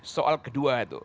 soal kedua itu